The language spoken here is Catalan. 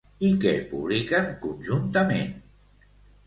I què publiquen conjuntament?